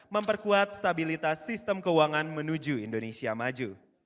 memperkuat stabilitas sistem keuangan menuju indonesia maju